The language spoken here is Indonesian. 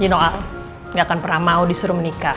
jino al jatan pernah mau disuruh menikah